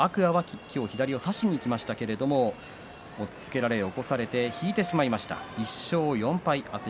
天空海は今日は左を差しにいきましたけれども押っつけられ起こされて引いてしまいました、１勝４敗。